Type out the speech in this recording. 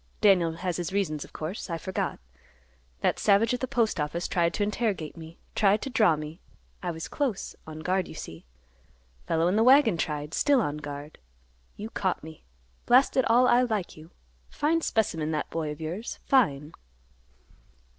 Daniel has his reasons, of course. I forgot. That savage at the Postoffice tried to interrogate me; tried to draw me. I was close; on guard you see. Fellow in the wagon tried; still on guard. You caught me. Blast it all, I like you! Fine specimen that boy of yours; fine!"